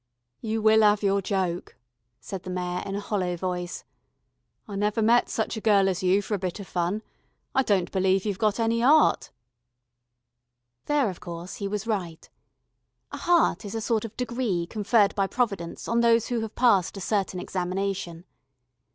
"You will 'ave your joke," said the Mayor in a hollow voice. "I never met such a gurl as you for a bit of fun. I don't believe you've got any 'eart." There, of course, he was right. A heart is a sort of degree conferred by Providence on those who have passed a certain examination.